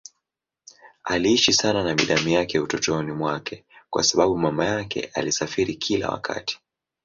Aliishi sana na binamu yake utotoni mwake kwa sababu mama yake alisafiri kila wakati.